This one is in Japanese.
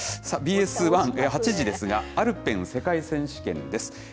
ＢＳ１で８時ですが、アルペン世界選手権です。